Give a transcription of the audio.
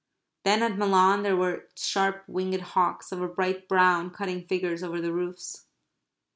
Then at Milan there were sharp winged hawks, of a bright brown, cutting figures over the roofs.